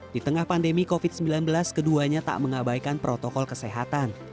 di tengah pandemi covid sembilan belas keduanya tak mengabaikan protokol kesehatan